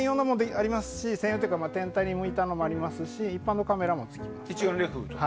専用というか天体に向いたのもありますし一般のカメラもつきます。